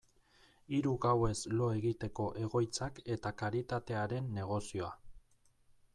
Hiru gauez lo egiteko egoitzak eta karitatearen negozioa.